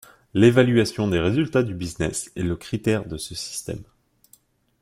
L’évaluation des résultats du business est le critère de ce système.